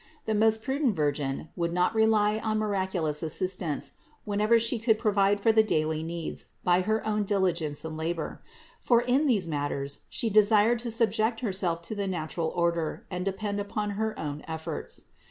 The most prudent Virgin would not rely on miraculous as sistance whenever She could provide for the daily needs by her own diligence and labor ; for in these matters She desired to subject Herself to the natural order and depend upon her own efforts.